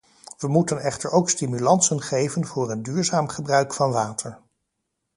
We moeten echter ook stimulansen geven voor het duurzaam gebruik van water.